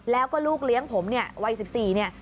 แล้วก็ลูกเลี้ยงผมเนี่ยวัย๑๔เนี่ย